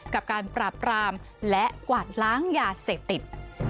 กับการปราบปรามและกวาดล้างยาเสพติด